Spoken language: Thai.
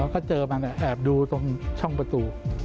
ก็เจอมันแอบดูตรงช่องประตู